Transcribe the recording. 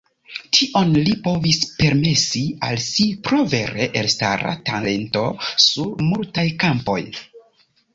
Tion li povis permesi al si pro vere elstara talento sur multaj kampoj.